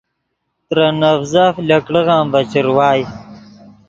ترے نڤزف لکڑغّیم ڤے چروائے